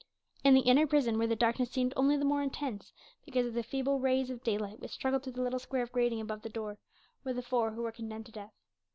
In the inner prison, where the darkness seemed only the more intense because of the feeble rays of daylight which struggled through the little square of grating above the door, were the four who were condemned to death.